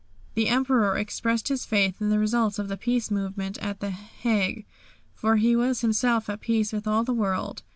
The Emperor expressed his faith in the results of the Peace movement at the Hague, for he was himself at peace with all the world.